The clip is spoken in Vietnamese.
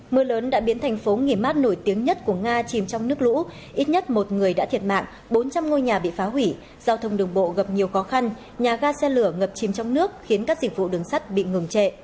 mưa lớn đã biến thành phố nghỉ mát nổi tiếng nhất của nga chìm trong nước lũ ít nhất một người đã thiệt mạng bốn trăm linh ngôi nhà bị phá hủy giao thông đường bộ gặp nhiều khó khăn nhà ga xe lửa ngập chìm trong nước khiến các dịch vụ đường sắt bị ngừng trệ